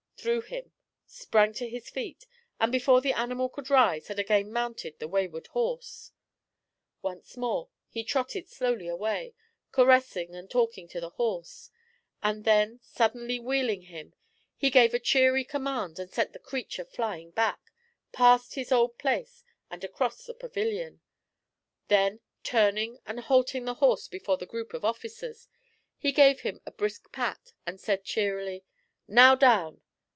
threw him, sprang to his feet, and before the animal could rise had again mounted the wayward horse. Once more he trotted slowly away, caressing and talking to the horse; and then, suddenly wheeling him, he gave a cheery command and sent the creature flying back, past his old place, and across the pavilion; then turning and halting the horse before the group of officers, he gave him a brisk pat, and said cheerily, 'Now down!'